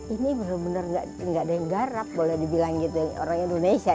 ini bener bener gak ada yang garap boleh dibilang gitu orang indonesia